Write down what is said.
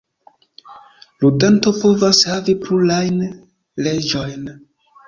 Ludanto povas havi plurajn Reĝojn.